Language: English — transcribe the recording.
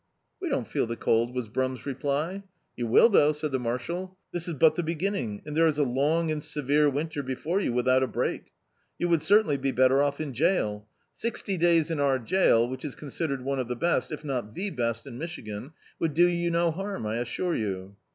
'"We don't feel the cold," was Brum's reply. "You will thou^," said the mar shal, "this is but the beginning, and there is a IcMig and severe winter before you, without a break. You would certainly be better off in jail. Sixty days in our jail, which is considered one of the best, if not the best, in Michigan, would do you no harm, I assure you."